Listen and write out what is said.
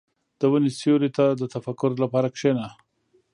• د ونې سیوري ته د تفکر لپاره کښېنه.